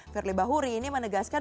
firly bahuri ini menegaskan